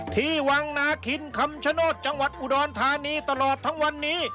ที่วังนาคินคำชโนธจังหวัดอุดรธานีตลอดทั้งวันนี้